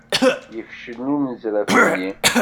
Yefcel unezraf-nni.